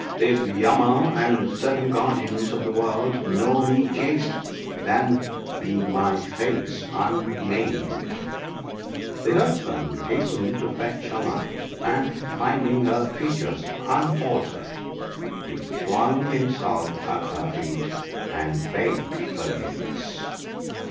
If Yama and the seven guardians of the world ( 6 *) know me chaste, then be my face unmaimed !' The 76 THE BOOK OF GOOD COUNSELS. herdsman hastened to fetch a light, and finding her features unaltered, he flung himself at her feet, and begged forgiveness.